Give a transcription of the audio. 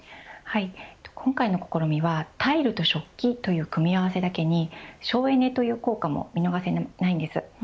今回の試みは、タイルと食器という組み合わせだけに省エネという効果も見逃せないんです。